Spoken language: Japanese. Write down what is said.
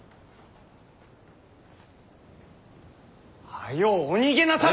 早うお逃げなされ！